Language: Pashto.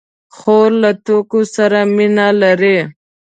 خور له ټوکو سره مینه لري.